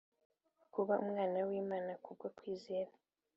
Kuba Umwana w'Imana ku bwo kwizera